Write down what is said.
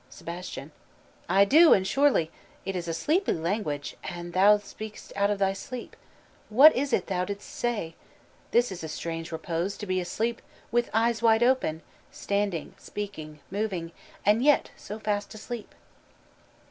Sebastian. I do; and, surely, It is a sleepy language; and thou speak'st Out of thy sleep: What is it thou didst say? This is a strange repose, to be asleep With eyes wide open; standing, speaking, moving, And yet so fast asleep."